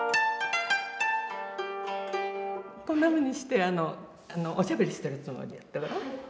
こんなふうにしておしゃべりしてるつもりでやってごらん。